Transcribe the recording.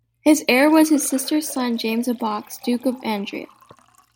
His heir was his sister's son James of Baux, Duke of Andria.